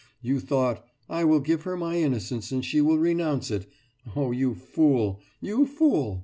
You thought: I will give her my innocence and she will renounce it. Oh, you fool! You fool!